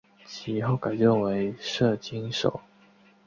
其后改任为摄津守。